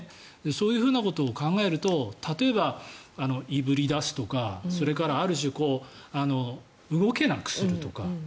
そういうふうなことを考えると例えば、いぶり出すとかそれからある種、動けなくするとか。